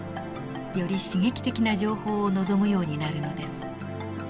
より刺激的な情報を望むようになるのです。